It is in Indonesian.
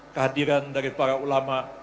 kehadiran dari para ulama